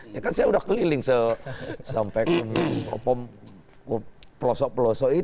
ya kan saya udah keliling se sampai ke pelosok pelosok